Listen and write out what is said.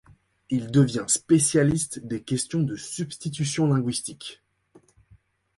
Il devient spécialiste des questions de substitutions linguistiques.